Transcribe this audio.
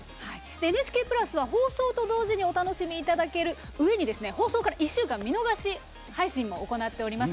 ＮＨＫプラスは放送と同時にお楽しみいただけて放送から１週間見逃し配信も行っております。